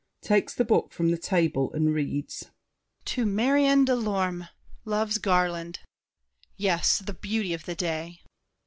[Takes the book from the table and reads. "To Marion de Lorme. Love's Garland!" Yes, the beauty of the day!